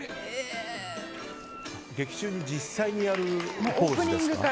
劇中に実際にやるポーズですか？